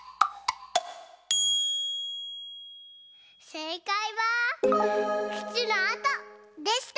せいかいは「くつのあと」でした！